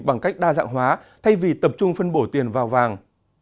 bằng cách đa dạng hóa thay vì tập trung phân bổ tiền vào vàng